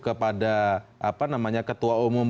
kepada ketua umum